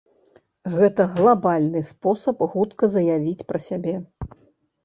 Гэта глабальны спосаб хутка заявіць пра сябе.